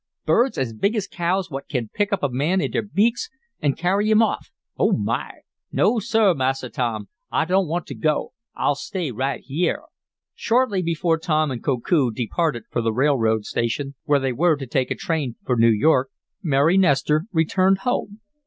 Birds as big as cows what kin pick up a man in dere beaks, an' carry him off! Oh, my! No, sah, Massa Tom! I don't want t' go. I'll stay right yeah!" Shortly before Tom and Koku departed for the railroad station, where they were to take a train for New York, Mary Nestor returned home.